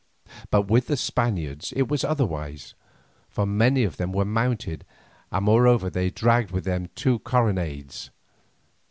But with the Spaniards it was otherwise, for many of them were mounted, and moreover they dragged with them two carronades.